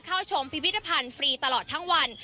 เข้าชมพิพิธภัณฑ์ฟรีตลอดทั้งวัน